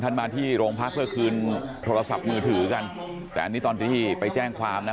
มาที่โรงพักเพื่อคืนโทรศัพท์มือถือกันแต่อันนี้ตอนที่ไปแจ้งความนะ